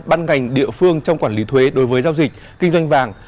ban ngành địa phương trong quản lý thuế đối với giao dịch kinh doanh vàng